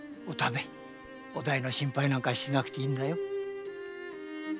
お代の心配なんかしなくていいんだよ。